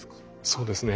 そうですね